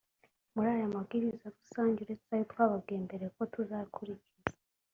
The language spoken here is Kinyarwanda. muri aya mabwiriza rusange uretse ayo twababwiye mbere ko tuzakurikiza